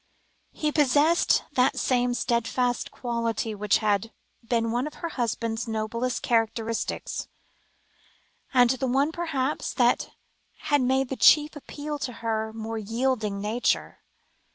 He possessed that same steadfast quality which had been one of her husband's noblest characteristics, and the one perhaps that had made the chief appeal to her more yielding nature.